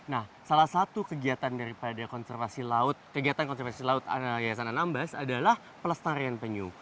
nah salah satu kegiatan konservasi laut yayasan anambas adalah pelestarian penyu